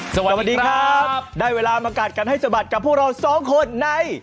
สวัสดีครับได้เวลามากัดกันให้สะบัดกับพวกเราสองคนใน